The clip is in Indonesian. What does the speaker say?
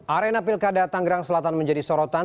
arena pilkada tanggerang selatan menjadi sorotan